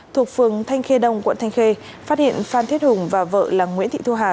thuộc phường thanh khê đông quận thanh khê phát hiện phan thiết hùng và vợ là nguyễn thị thu hà